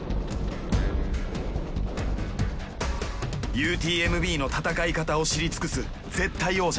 ＵＴＭＢの戦い方を知り尽くす絶対王者。